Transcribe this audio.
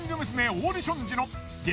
オーディション時の激